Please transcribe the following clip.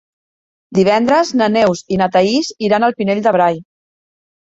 Divendres na Neus i na Thaís iran al Pinell de Brai.